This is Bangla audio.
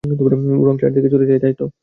রং চারদিকে ছড়িয়ে যায়, তাই তো?